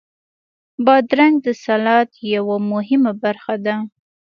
بادرنګ د سلاد یوه مهمه برخه ده.